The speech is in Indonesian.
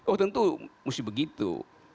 oh tentu mesti begitu